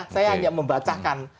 saya hanya membacakan